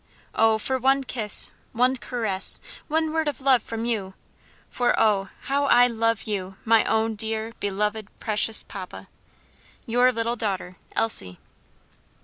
Oh, for one kiss, one caress, one word of love from you! for oh, how I love you, my own dear, be loved, precious papa! "Your little daughter, "ELSIE."